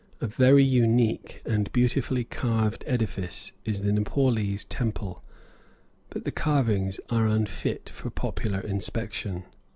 A very unique and beautifully carved edifice is the Nepaulese temple; but the carvings are unfit for popular inspection.